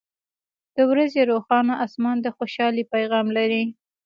• د ورځې روښانه آسمان د خوشحالۍ پیغام لري.